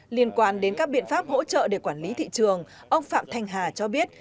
liên quan đến các biện pháp hỗ trợ để quản lý thị trường ông phạm thanh hà cho biết